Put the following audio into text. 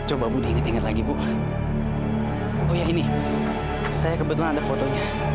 oh iya ini saya kebetulan ada fotonya